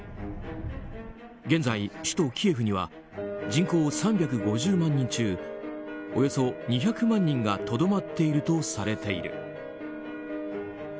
現在、首都キエフには人口３５０万人中およそ２００万人がとどまっているとされている。